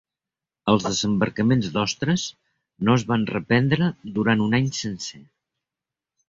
Els desembarcaments d'ostres no es van reprendre durant un any sencer.